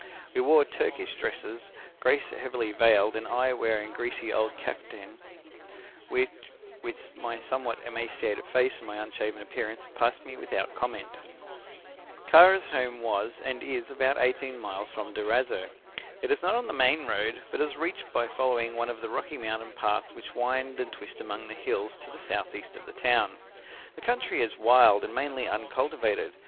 We wore Turkish dresses, Grace heavily veiled and I wearing a greasy old kaftan which, with my somewhat emaciated face and my unshaven appearance, passed me without comment. "Kara's home was and is about eighteen miles from Durazzo. It is not on the main road, but it is reached by following one of the rocky mountain paths which wind and twist among the hills to the south east of the town. The country is wild and mainly uncultivated.